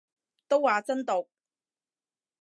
都話真毒